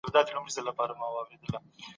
کله به په دې وطن کي رښتینې سوله راځي؟